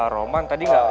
roman tadi gak